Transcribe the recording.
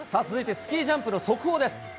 続いてスキージャンプの速報です。